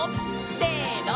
せの！